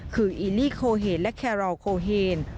คืออิลลีโคเหน์และแครอลโคเหน์